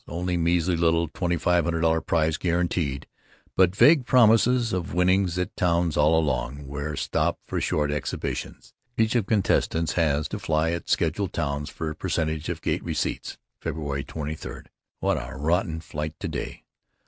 Only measly little $2,500 prize guaranteed, but vague promises of winnings at towns all along, where stop for short exhibitions. Each of contestants has to fly at scheduled towns for percentage of gate receipts. Feb. 23: What a rotten flight to day.